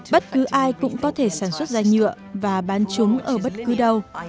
bất cứ ai cũng có thể sản xuất ra nhựa và bán chúng ở bất cứ đâu